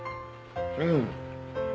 うん！